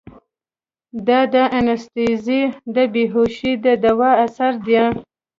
دا د انستيزي د بېهوشي د دوا اثر ديه.